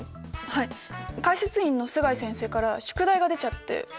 はい解説委員の須貝先生から宿題が出ちゃって。